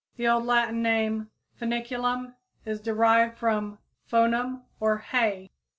The old Latin name Foeniculum is derived from foenum or hay.